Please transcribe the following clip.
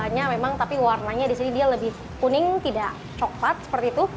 rasanya memang tapi warnanya di sini dia lebih kuning tidak coklat seperti itu